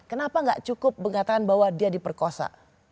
kenapa gak cukup mengatakan bahwa dia diperkosa